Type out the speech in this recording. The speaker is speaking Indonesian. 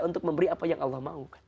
untuk memberi apa yang allah maukan